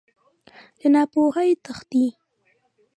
له ناپوهۍ تښتې.